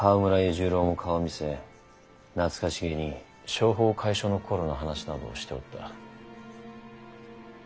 十郎も顔を見せ懐かしげに商法會所の頃の話などをしておった。